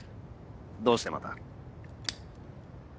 どうしてまた。